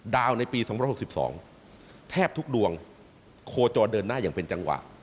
ในปี๒๖๒แทบทุกดวงโคจรเดินหน้าอย่างเป็นจังหวะ